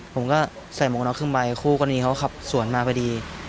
ผมก็ใส่หมวกน็อกขึ้นไปคู่กรณีเขาขับสวนมาพอดี